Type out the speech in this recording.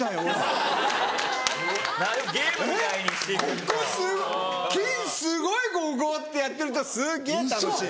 ここ金すごいここ！ってやってるとすっげぇ楽しい。